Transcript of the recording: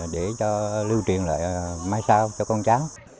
để cho lưu truyền lại mai sau cho con trá